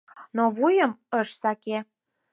Но вуйым ыш саке.